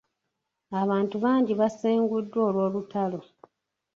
Abantu bangi basenguddwa olw'olutalo .